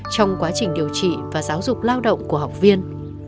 trong quá trình điều trị và giáo dục lao động của học viên